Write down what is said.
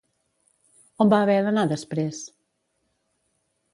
On va haver d'anar després?